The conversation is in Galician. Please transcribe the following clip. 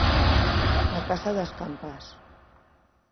Na Casa das Campás.